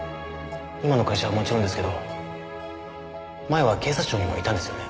今の会社はもちろんですけど前は警察庁にもいたんですよね？